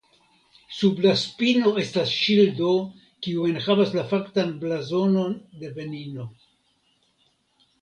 Sub la spino estas ŝildo kiu enhavas la faktan blazonon de Benino.